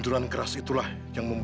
terima kasih pak